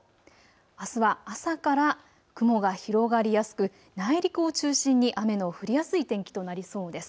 あすは朝から雲が広がりやすく内陸を中心に雨の降りやすい天気となりそうです。